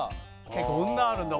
そんなんあるんだ。